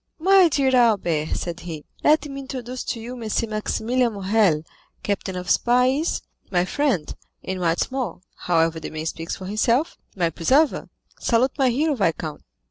"My dear Albert," said he, "let me introduce to you M. Maximilian Morrel, captain of Spahis, my friend; and what is more—however the man speaks for himself—my preserver. Salute my hero, viscount."